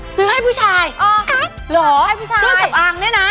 ซื้อให้ผู้ชายเครื่องสำอางเนี่ยนะ